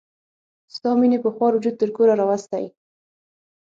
ستا مینې په خوار وجود تر کوره راوستي.